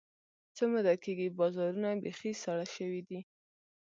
څه موده کېږي، بازارونه بیخي ساړه شوي دي.